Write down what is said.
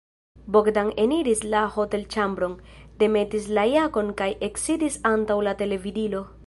Bogdan eniris la hotelĉambron, demetis la jakon kaj eksidis antaŭ la televidilo.